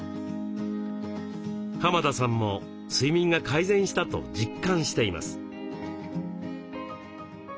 田さんも睡眠が改善したと実感しています。